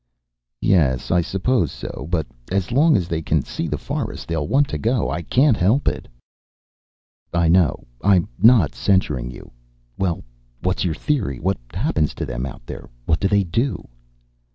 "Yes, I suppose so. But as long as they can see the forest they'll want to go. I can't help it." "I know. I'm not censuring you. Well, what's your theory? What happens to them out there? What do they do?"